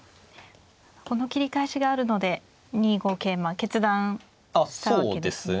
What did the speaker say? この切り返しがあるので２五桂馬決断したわけですね。